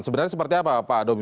sebenarnya seperti apa pak domi